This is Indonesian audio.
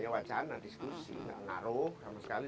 wacana diskusi nggak ngaruh sama sekali